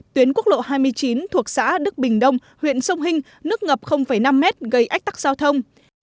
tuyến quốc lộ hai mươi chín thuộc xã đức bình đông huyện sông hinh nước ngập năm mét gây ách tắc giao thông